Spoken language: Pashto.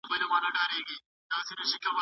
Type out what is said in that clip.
کاشکي زما ټول لمسیان اوس زما په غېږ کې وای.